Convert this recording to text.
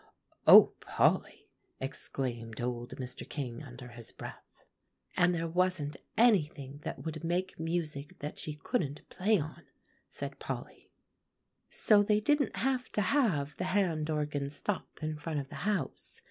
"O Polly!" exclaimed old Mr. King under his breath. "And there wasn't anything that would make music that she couldn't play on," said Polly; "so they didn't have to have the hand organs stop in front of the house.